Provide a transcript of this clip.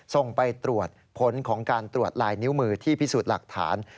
ส่งไปตรวจผลของการตรวจลายนิ้วมือที่พิสูจน์หลักฐาน